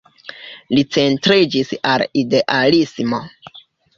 Li centriĝis al idealismo.